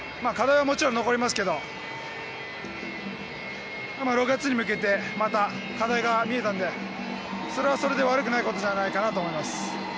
課題はもちろん残りますけど６月に向けて、また課題が見えたのでそれはそれで、悪いことではないかなと思います。